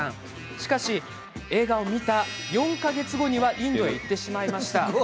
しかし、映画を見た４か月後にはインドへ行ってしまいました。